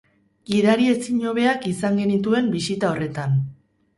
Gidari ezin hobeak izan genituen bisita horretan.